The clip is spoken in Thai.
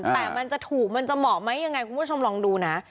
แต่มันจะถูกมันจะเหมาะไหมยังไงคุณผู้ชมลองดูนะ